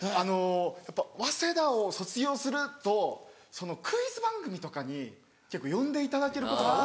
やっぱ早稲田を卒業するとクイズ番組とかに結構呼んでいただけることが多くて。